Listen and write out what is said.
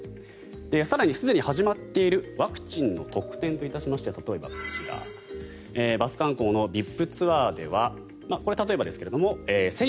更にすでに始まっているワクチンの特典といたしまして例えば、こちらバス観光のＶＩＰツアーでは１０００円